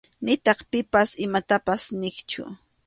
Nitaq pipas imatapas niqchu.